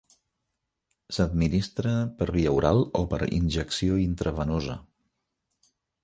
S'administra per via oral o per injecció intravenosa.